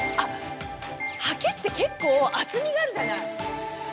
ハケって結構厚みがあるじゃない？